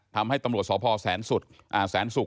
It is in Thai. ทำให้ตำรวจสพแสนศุกร์